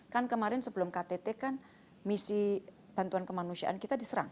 kan kemarin sebelum ktt kan misi bantuan kemanusiaan kita diserang